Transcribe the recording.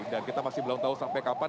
dan kita masih belum tahu sampai kapan